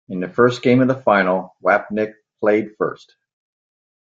In the first game of the final, Wapnick played first.